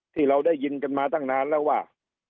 ที่เราได้ยินกันมาตั้งนานแล้วว่า